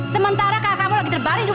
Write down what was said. sementara kakakmu lagi terbangun